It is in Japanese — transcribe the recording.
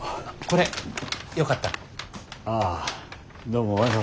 これよかったら。